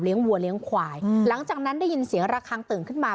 วัวเลี้ยงควายหลังจากนั้นได้ยินเสียงระคังตื่นขึ้นมา